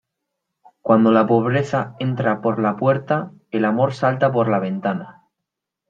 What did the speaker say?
Cuando la pobreza entra por la puerta, el amor salta por la ventana.